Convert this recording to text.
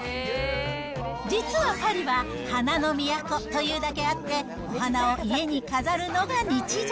実はパリは、花の都というだけであって、お花を家に飾るのが日常。